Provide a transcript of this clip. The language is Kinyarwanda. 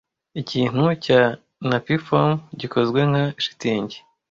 Ikintu cya napiform gikozwe nka shitingi